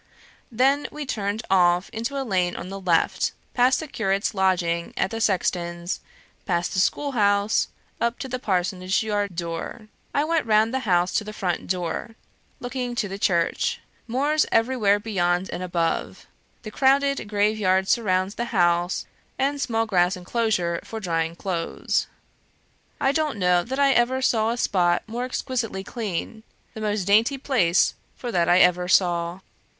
then we turned off into a lane on the left, past the curate's lodging at the Sexton's, past the school house, up to the Parsonage yard door. I went round the house to the front door, looking to the church; moors everywhere beyond and above. The crowded grave yard surrounds the house and small grass enclosure for drying clothes. "I don't know that I ever saw a spot more exquisitely clean; the most dainty place for that I ever saw.